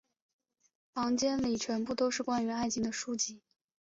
房间里全部都是关于爱情的书籍。